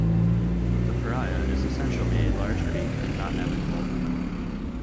The Paria is essentially a large creek and is not navigable.